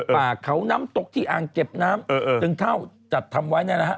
ป่าเขาน้ำตกที่อ่างเก็บน้ำจึงเท่าจัดทำไว้เนี่ยนะฮะ